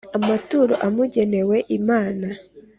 amaturo amugenewe Imana